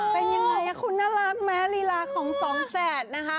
เป็นยังไงคุณน่ารักแม้ลีราของสองแทน